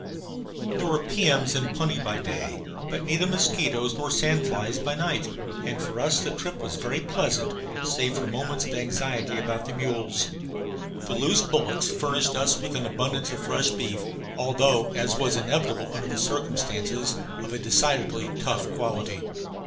There were piums in plenty by day, but neither mosquitoes nor sand flies by night; and for us the trip was very pleasant, save for moments of anxiety about the mules. The loose bullocks furnished us abundance of fresh beef, although, as was inevitable under the circumstances, of a decidedly tough quality.